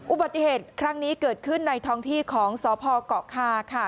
อุบัติเหตุครั้งนี้เกิดขึ้นในท้องที่ของสพเกาะคาค่ะ